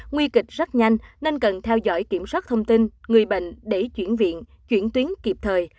nguy kịch rất nhanh nên cần theo dõi kiểm soát thông tin người bệnh để chuyển viện chuyển tuyến kịp thời